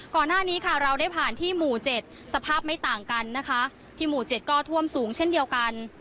ก่อนหน้านี้ค่ะเราได้ผ่านที่หมู่๗สภาพไม่ต่างกันนะคะที่หมู่๗ก็ท่วมสูงเช่นเดียวกัน